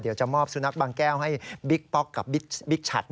จะมอบสุนัขบางแก้วให้บิ๊กป๊อกกับบิ๊กฉัด